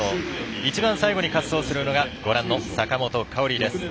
一番最後に滑走するのがご覧の坂本花織です。